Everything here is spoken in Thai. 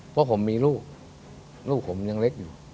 เพราะผมมีลูกลูกผมยังเล็กอยู่